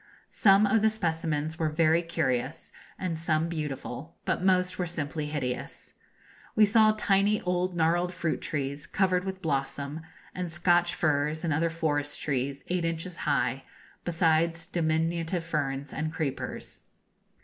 Some of the specimens were very curious and some beautiful, but most were simply hideous. We saw tiny old gnarled fruit trees, covered with blossom, and Scotch firs and other forest trees, eight inches high, besides diminutive ferns and creepers.